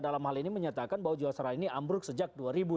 dalam hal ini menyatakan bahwa jiwasraya ini ambruk sejak dua ribu enam